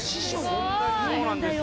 そうなんですよ。